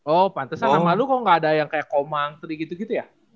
oh pantesan lama lu kok gak ada yang kayak komang trig gitu gitu ya